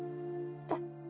あっ。